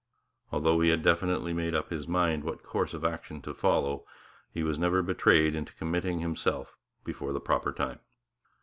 Although he had definitely made up his mind what course of action to follow, he was never betrayed into committing himself before the proper time.